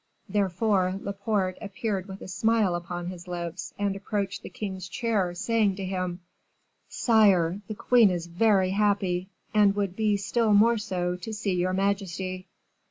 Therefore, Laporte appeared with a smile upon his lips, and approached the king's chair, saying to him 'Sire, the queen is very happy, and would be still more so to see your majesty.